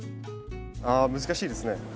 あ難しいですね。